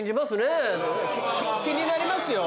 気になりますよ。